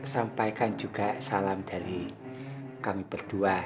sampaikan juga salam dari kami berdua